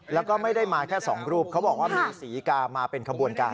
แล้วก็ไม่ได้มาแค่๒รูปเขาบอกว่ามีศรีกามาเป็นขบวนการ